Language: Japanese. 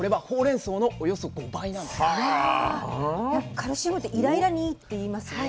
カルシウムってイライラにいいっていいますよね。